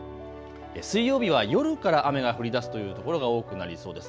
水曜日は夜から雨が降りだすという所が多くなりそうです。